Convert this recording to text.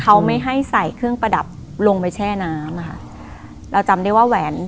เขาไม่ให้ใส่เครื่องประดับลงไปแช่น้ำอ่ะค่ะเราจำได้ว่าแหวน